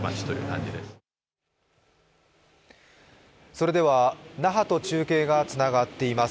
それでは那覇と中継がつながっています。